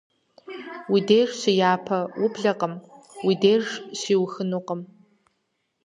Уи деж щыяпэ ублэкъым, уи деж щиухыжынукъым.